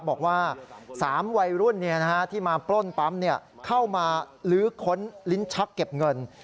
บอกว่า๓วัยรุ่นที่มาปล้นปั๊มเข้ามาลื้อค้นลิ้นชักเก็บเงิน